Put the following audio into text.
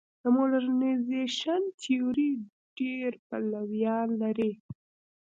د موډرنیزېشن تیوري ډېر پلویان لري.